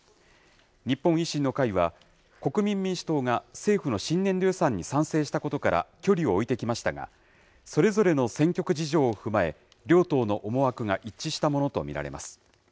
日本維新の会は国民民主党が政府の新年度予算に賛成したことから距離を置いてきましたが、それぞれの選挙区事情を踏まえ、両党の思惑が一致したものと見られます。